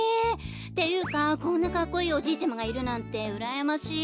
ていうかこんなかっこいいおじいちゃまがいるなんてうらやましい。